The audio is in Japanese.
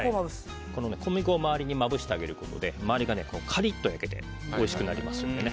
この小麦粉を周りにまぶして揚げることで周りがカリッと焼けておいしくなります。